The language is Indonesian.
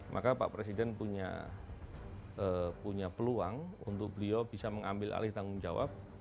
maka pak presiden punya peluang untuk beliau bisa mengambil alih tanggung jawab